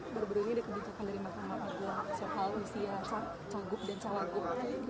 soal usia cawagup dan cawagup